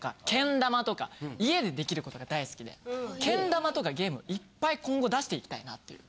家でできる事が大好きでけん玉とかゲームいっぱい今後出していきたいなっていう。